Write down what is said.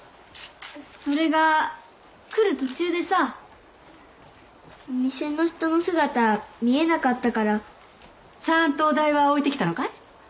それが来る途中でさお店の人の姿見えなかったからちゃーんとお代は置いてきたのかい？